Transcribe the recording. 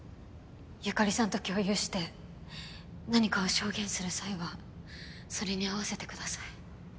由香里さんと共有して何かを証言する際はそれに合わせてください。